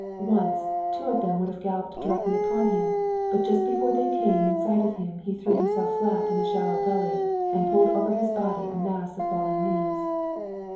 Once, two of them would have galloped directly upon him, but just before they came in sight he threw himself flat in a shallow gully and pulled over his body a mass of fallen leaves.